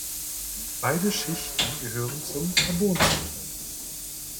Beide Schichten gehören zum Karbon-Zeitalter.